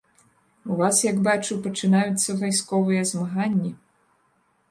У вас, як бачу, пачынаюцца вайсковыя змаганні.